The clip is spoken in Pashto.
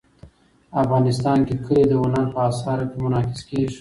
افغانستان کې کلي د هنر په اثار کې منعکس کېږي.